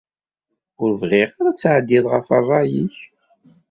Ur bɣiɣ ara ad tɛeddiɣ ɣef rray-ik.